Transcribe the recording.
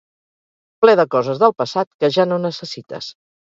Ple de coses del passat que ja no necessites.